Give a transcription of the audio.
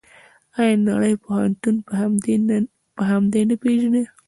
آیا نړۍ پښتون په همدې نه پیژني؟